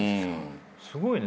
すごいね。